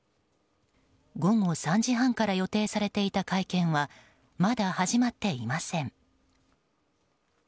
午後３時半から予定されていた会見はまだ始まっていません。